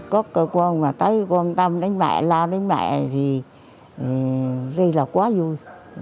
có cơ quan mà tới quan tâm đến mẹ lo đến mẹ thì ri là quá vui